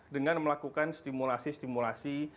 dengan melakukan stimulasi stimulasi